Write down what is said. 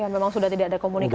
memang sudah tidak ada komunikasi